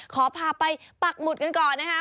ขอพาไปปักหมุดกันก่อนนะคะ